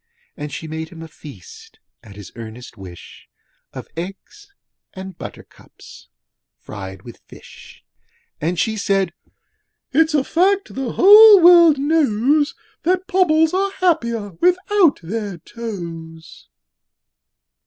And she made him a feast at his earnest wish Of eggs and buttercups fried with fish; And she said, 'It's a fact the whole world knows, 'That Pobbles are happier without their toes.'